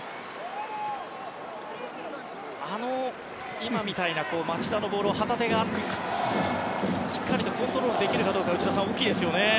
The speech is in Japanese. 今みたいな町田のボールを旗手がしっかりとコントロールができるかが大きいですね。